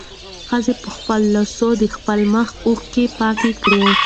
ښځې په خپلو لاسو د خپل مخ اوښکې پاکې کړې.